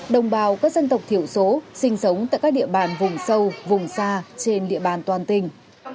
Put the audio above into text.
đồng bào các dân tộc thiểu số sinh sống tại các địa bàn vùng sâu vùng xa trên địa bàn toàn tỉnh